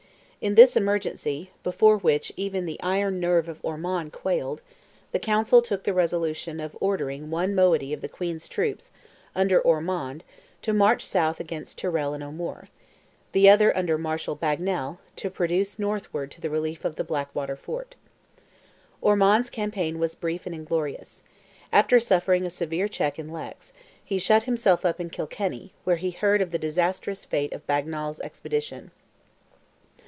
In this emergency, before which even the iron nerve of Ormond quailed, the Council took the resolution of ordering one moiety of the Queen's troops under Ormond to march south against Tyrrell and O'Moore; the other under Marshal Bagnal, to proceed northward to the relief of the Blackwater fort. Ormond's campaign was brief and inglorious. After suffering a severe check in Leix, he shut himself up in Kilkenny, where he heard of the disastrous fate of Bagnal's expedition.